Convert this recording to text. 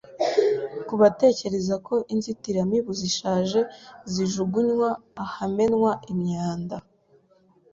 Ku batekereza ko inzitiramibu zishaje zijugunywa ahamenwa imyanda